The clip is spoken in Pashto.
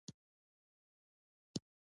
د افغانستان طبیعت له چار مغز څخه جوړ شوی دی.